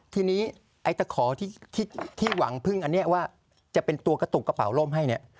ทีนี้ไอ้ตะขอที่หวังพึ่งอันนี้ว่าจะเป็นตัวกระตุกกระเป๋าล่มให้เนี่ย